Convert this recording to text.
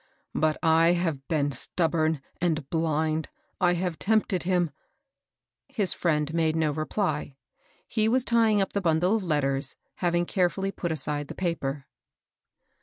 But I have been stubborn and blind ; I have tempted him "— His friend made no reply. He was tying up the bundle of letters, having careftJly put aside the paper.